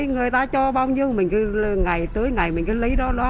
người ta cho bông dung mình cứ lấy đó